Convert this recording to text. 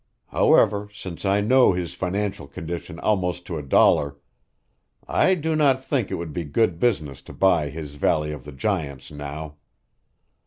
However, since I know his financial condition almost to a dollar, I do not think it would be good business to buy his Valley of the Giants now.